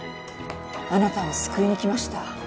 あなたを救いにきました。